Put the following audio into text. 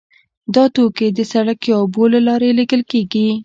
دا توکي د سړک یا اوبو له لارې لیږل کیږي